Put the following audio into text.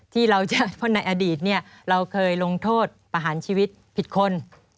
ที่ในอดีตเราเคยลงโทษประหารชีวิตผิดคน